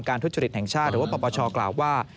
ทุจริตแห่งชาติหรือว่าปปชกล่าวว่า